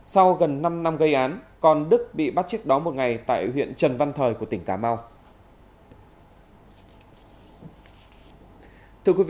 sau gần năm năm gây án còn đức bị bắt trước đó một ngày tại huyện trần văn thời của tỉnh cà mau